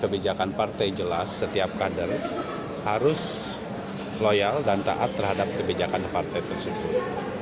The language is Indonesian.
kebijakan partai jelas setiap kader harus loyal dan taat terhadap kebijakan partai tersebut